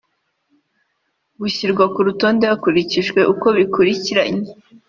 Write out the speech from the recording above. bushyirwa ku rutonde hakurikijwe uko bikurikiranye